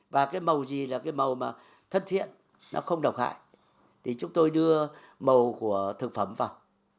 và cái màu gì là cái màu mà thân thiện nó không độc hại thì chúng tôi đưa màu của thực phẩm vào